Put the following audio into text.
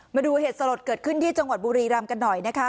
มาดูเหตุสลดเกิดขึ้นที่จังหวัดบุรีรำกันหน่อยนะคะ